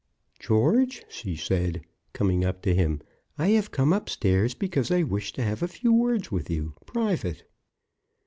"George," she said, coming up to him, "I have come upstairs because I wish to have a few words with you private."